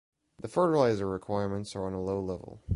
The fertilizer requirements are on a low level.